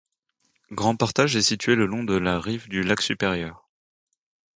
Grand Portage est situé le long de la rive du lac Supérieur.